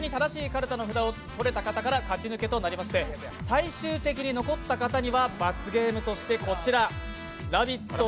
最初に正しいカルタの札を取れた方から抜けていただきまして、最終的に残った方には罰ゲームとしてこちらラヴィット！